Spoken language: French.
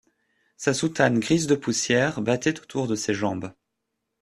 Sa soutane grise de poussière, battait autour de ses jambes.